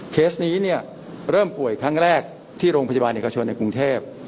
เคสนี้เนี่ยเริ่มป่วยครั้งแรกที่โรงพยาบาลเอกชนในกรุงเทพ